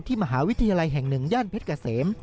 ที่มหาวิทยาลัยแห่งหนึ่งย่านเพชรกะเสม